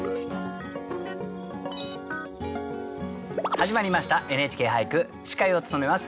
始まりました「ＮＨＫ俳句」司会を務めます